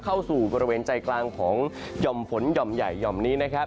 เข้าสู่บริเวณใจกลางของหย่อมฝนหย่อมใหญ่ห่อมนี้นะครับ